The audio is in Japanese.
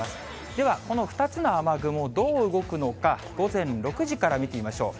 ではこの２つの雨雲、どう動くのか、午前６時から見てみましょう。